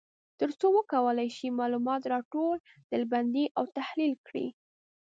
تر څو وکولای شي معلومات را ټول، ډلبندي او تحلیل کړي.